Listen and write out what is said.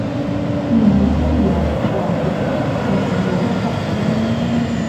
Менавіта ён даў штуршок да крыжовых паходаў.